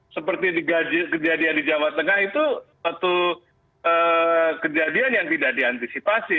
seperti kejadian di jawa tengah itu satu kejadian yang tidak diantisipasi